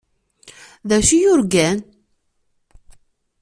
D acu i yurgan?